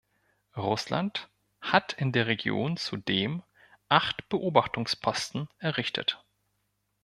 Russland hat in der Region zudem acht Beobachtungsposten errichtet.